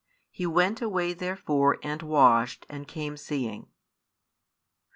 He went away therefore, and washed, and came seeing.